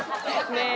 ねえ